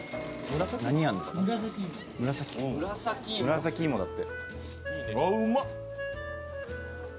紫芋だって。